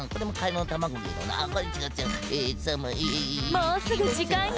もうすぐじかんよ！